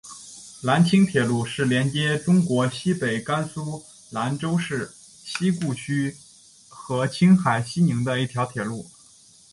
兰青铁路是连接中国西北甘肃兰州市西固区和青海西宁的一条铁路。